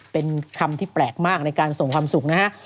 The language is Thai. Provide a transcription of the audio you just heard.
เป็นคำที่แปลกมากในการส่งความสุขนะฮะ